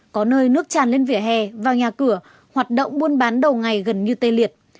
có nơi nước tràn lên vỉa hè vào nhà cửa hoạt động buôn bán đầu ngày gần như tê liệt